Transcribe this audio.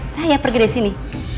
saya pergi dari sini